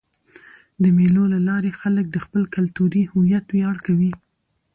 د مېلو له لاري خلک د خپل کلتوري هویت ویاړ کوي.